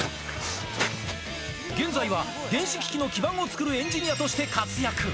現在は電子機器の基盤を作るエンジニアとして活躍。